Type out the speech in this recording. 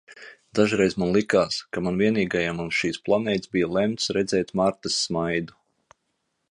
Dažreiz man likās, ka man vienīgajam uz šīs planētas bija lemts redzēt Martas smaidu.